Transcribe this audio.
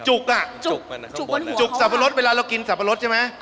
จุกอ่ะจุกสัปปะรดเวลาเรากินสัปปะรดใช่ไหม